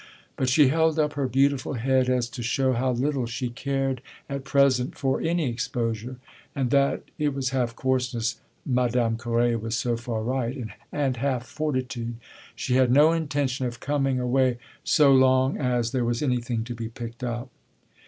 But she held up her beautiful head as to show how little she cared at present for any exposure, and that (it was half coarseness Madame Carré was so far right and half fortitude) she had no intention of coming away so long as; there was anything to be picked up.